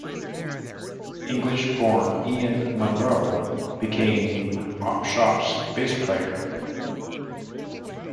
English-born Ian Munro became Opshop's bass player.